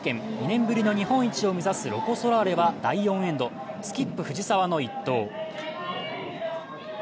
２年ぶりの日本一を目指すロコ・ソラーレは第４エンド、スキップ・藤澤の一投。